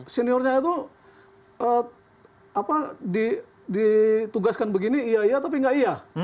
seniornya itu ditugaskan begini iya iya tapi enggak iya